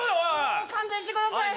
もう勘弁してください